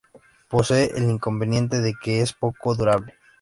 Posee el inconveniente de que es poco durable.